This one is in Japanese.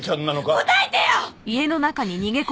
答えてよ！